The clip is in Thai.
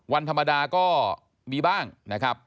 วันธรรมดาก็มีบ้างนะครับ